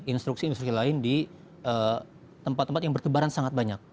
instruksi instruksi lain di tempat tempat yang bertebaran sangat banyak